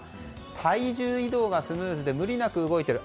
体重移動がスムーズで無理なく動いている。